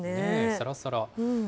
さらさら。